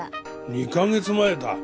２カ月前だ。